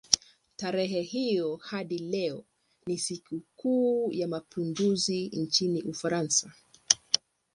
Tarehe hiyo hadi leo ni sikukuu ya mapinduzi nchini Ufaransa.